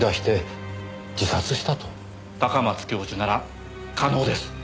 高松教授なら可能です。